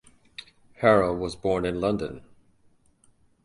Harrow was born in London.